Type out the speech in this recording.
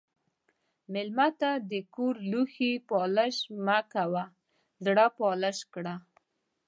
مېلمه ته د کور لوښي پالش مه کوه، زړه پالش کړه.